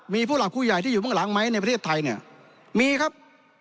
มีผู้หลักผู้ใหญ่ที่อยู่เบื้องหลังไหมในประเทศไทยเนี่ยมีครับ